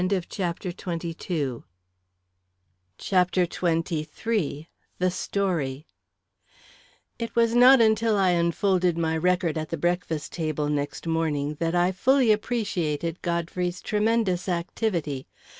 CHAPTER XXIII The Story It was not until I unfolded my Record at the breakfast table, next morning, that I fully appreciated Godfrey's tremendous activity.